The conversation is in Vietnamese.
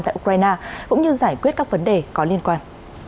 tại ukraine cũng như giải quyết các vấn đề có liên quan